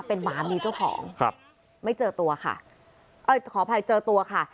เป็นหมามีเจ้าของครับไม่เจอตัวค่ะเอ้ยขออภัยเจอตัวค่ะ